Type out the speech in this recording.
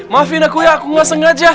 maafin aku ya aku gak sengaja